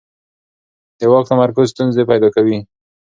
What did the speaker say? د واک تمرکز ستونزې پیدا کوي